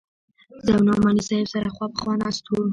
زه او نعماني صاحب سره خوا په خوا ناست وو.